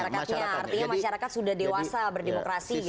artinya masyarakat sudah dewasa berdemokrasi